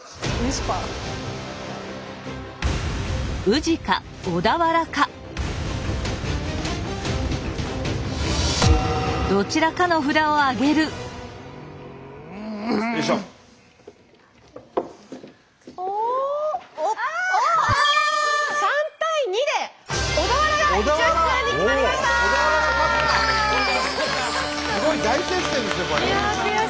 すごい大接戦ですよこれ。